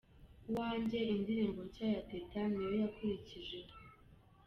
Uwanjye’ indirimbo nshya ya Teta niyo yakurikijeho.